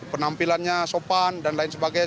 penampilannya sopan dan lain sebagainya